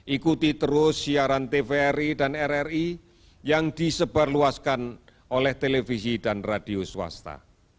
ikuti terus siaran tvri dan rri yang disebarluaskan oleh televisi dan radio swasta